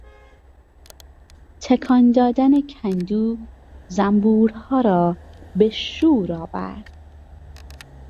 تکان دادن کندو زنبورها را به شور آورد.